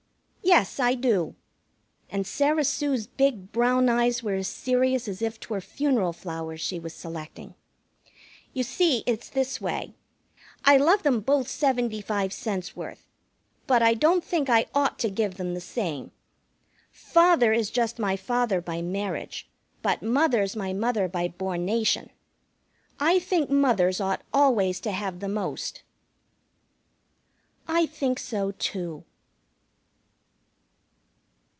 "Yes, I do." And Sarah Sue's big brown eyes were as serious as if 'twere funeral flowers she was selecting. "You see, it's this way. I love them both seventy five cents' worth, but I don't think I ought to give them the same. Father is just my father by marriage, but Mother's my mother by bornation. I think mothers ought always to have the most." I think so, too.